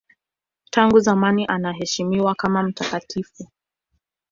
Tangu zamani anaheshimiwa kama mtakatifu.